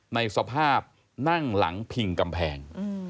ในสภาพนั่งหลังพิงกำแพง